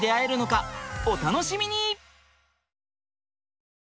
お楽しみに！